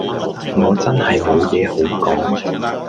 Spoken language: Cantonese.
我真係冇嘢好講